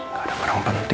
gak ada barang penting lagi